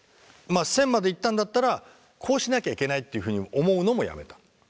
１，０００までいったんだったらこうしなきゃいけないっていうふうに思うのもやめた。